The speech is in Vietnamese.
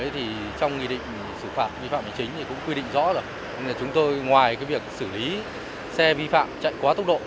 trong quy định xử phạt vi phạm chính thì cũng quy định rõ ràng là chúng tôi ngoài việc xử lý xe vi phạm chạy quá tốc độ